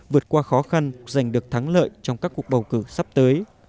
vượt qua khó khăn giành được thắng lợi trong các cuộc bầu cử sắp tới